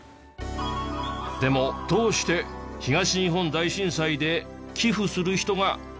でもどうして東日本大震災で寄付する人が急激に増えたの？